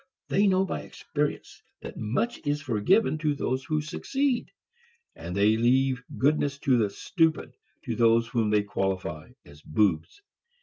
They know by experience that much is forgiven to those who succeed, and they leave goodness to the stupid, to those whom they qualify as boobs.